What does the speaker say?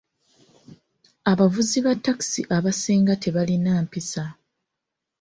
Abavuzi ba ttakisi abasinga tebalina mpisa.